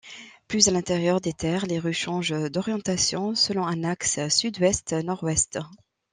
Plus à l'intérieur des terres, les rues changent d'orientation selon un axe sud-ouest nord-est.